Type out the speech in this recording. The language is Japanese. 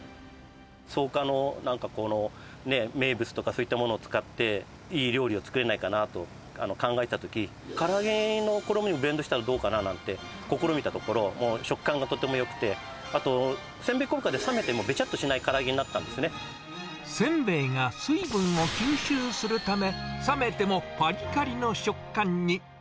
草加のなんかこの、名物とかそういったものを使って、いい料理を作れないかなと考えたとき、から揚げの衣にブレンドしたらどうかななんて試みたところ、食感がとってもよくて、あと、せんべい効果で冷めてもべちゃっとしないから揚げになったんですせんべいが水分を吸収するため、冷めてもぱりかりの食感に。